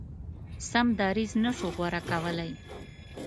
سم دریځ نه شو غوره کولای.